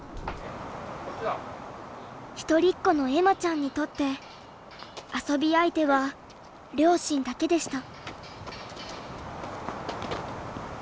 一人っ子の恵麻ちゃんにとって遊び相手は両親だけでした。